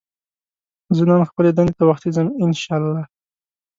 زه نن خپلې دندې ته وختي ځم ان شاءالله